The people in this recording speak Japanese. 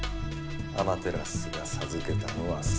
アマテラスが授けたのは「三種の神器」。